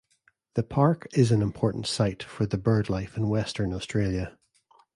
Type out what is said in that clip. The park is an important site for the bird life in Western Australia.